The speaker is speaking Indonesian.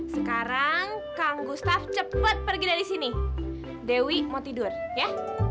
sekarang kang gustaf cepat pergi dari sini dewi mau tidur ya